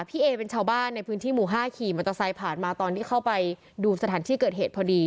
พี่เอเป็นชาวบ้านในพื้นที่หมู่๕ขี่มอเตอร์ไซค์ผ่านมาตอนที่เข้าไปดูสถานที่เกิดเหตุพอดี